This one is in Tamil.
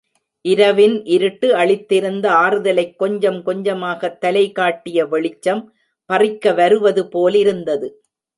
இரவின் இருட்டு அளித்திருந்த ஆறுதலைக் கொஞ்சம் கொஞ்சமாகத் தலைகாட்டிய வெளிச்சம் பறிக்க வருவது போல் இருந்தது.